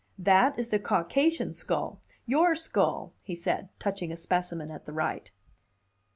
"That is the Caucasian skull: your skull," he said, touching a specimen at the right.